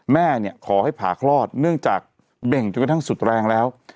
แม่เนี่ยขอให้ผ่าคลอดเนื่องจากเบ่งจนกระทั่งสุดแรงแล้ว